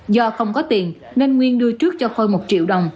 do không có tiền nên nguyên đưa trước cho khôi một triệu đồng